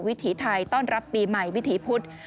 ถีไทยต้อนรับปีใหม่วิถีพุธ